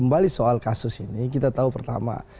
kembali soal kasus ini kita tahu pertama